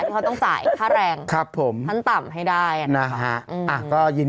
แบบคนมีอายุค่อยขึ้น